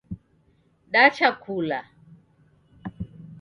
Dacha kula